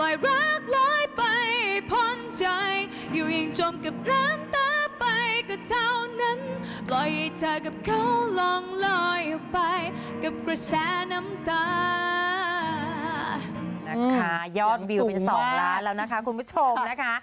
ยอดวิวเป็น๒ล้านแล้วนะคะคุณผู้ชมนะคะ